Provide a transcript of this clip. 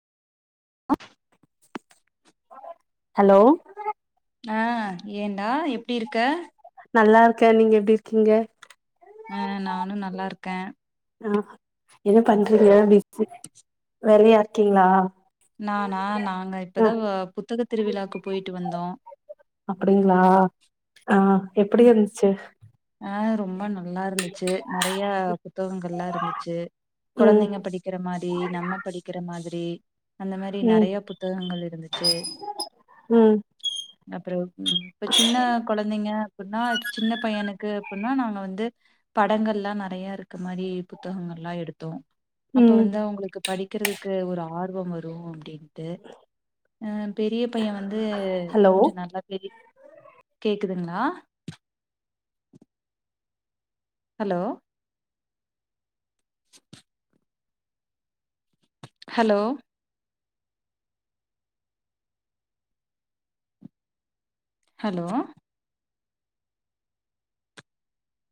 அ hello ஆ ஏன்டா எப்டி இருக்க நல்லா இருக்க நீங்க எப்டி இருக்கீங்க அ நானும் நல்லா இருக்க ம் என்ன பண்றீீங்க [inaudible] வேற யார் இருக்கீங்களா நானா நா நாங்க ஆ இப்பதா புத்தக திருவிழாவுக்கு போயிட்டு வந்தோ அப்புடிங்களா ஆ எப்புடி இருந்துச்சு ஆ ரொம்ப நல் நல்லா இருந்துச்சு நெறைய புத்தகங்கள் எல்லா இருந்துச்சு ம் கொழந்தைங்க படிக்குற மாரி நம்ம படிக்குற மாதிர் ரி அந்த மாரி ம் நறையா புத்தகங்கள் இருந்துச்சு ம் அப்புறோ ம் இப்ப சின்ன கொழந்தைங்க அப்டின்னா சின்ன பையனுக் எப்புடின்னா நாங்க வந்து படங்கள் எல்லா நறைய இருக்க மாரி புத்தகங்கள் எல்லா எடுத்தோ அப்ப ம் வந்து அவங்களுக்கு படிக்கிறதுக்கு ஒரு ஆர் ஆர்வோம் வரு அப்டின் ட்டு அ பெரிய பைய வந்து ஹலோ கொஞ்சோ நல்லா பெரி கே குதுங்களா ஹலோ [inaudible] ஹலோ ஹலோ